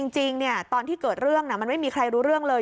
จริงตอนที่เกิดเรื่องมันไม่มีใครรู้เรื่องเลย